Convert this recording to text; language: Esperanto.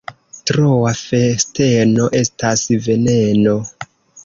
Troa festeno estas veneno.